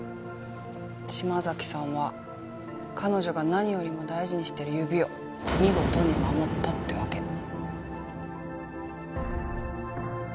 島崎さんは彼女が何よりも大事にしてる指を見事に守ったってわけ。